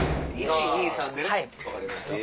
１２３でね分かりました。